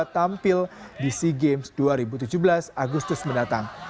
tampil di sea games dua ribu tujuh belas agustus mendatang